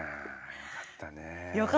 よかったですね。